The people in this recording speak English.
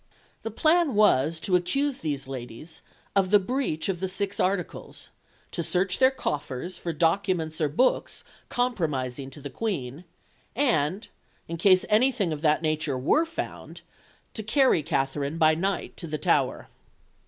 The plan was to accuse these ladies of the breach of the Six Articles, to search their coffers for documents or books compromising to the Queen, and, in case anything of that nature were found, to carry Katherine by night to the Tower.